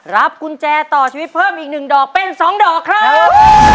กุญแจต่อชีวิตเพิ่มอีก๑ดอกเป็น๒ดอกครับ